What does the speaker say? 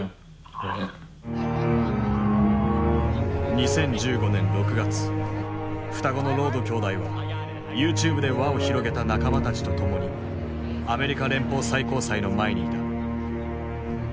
２０１５年６月双子のロード兄弟はＹｏｕＴｕｂｅで輪を広げた仲間たちと共にアメリカ連邦最高裁の前にいた。